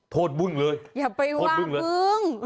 โทษบึ้งเลยอย่าไปว่าบึ้ง